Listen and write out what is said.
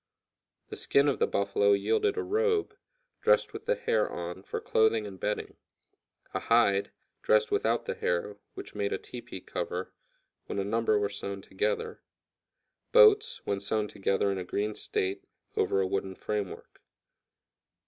The skin of the buffalo yielded a robe, dressed with the hair on, for clothing and bedding; a hide, dressed without the hair, which made a teepee cover, when a number were sewn together; boats, when sewn together in a green state, over a wooden framework.